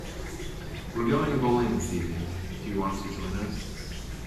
We're going bowling this evening, do you want to join us?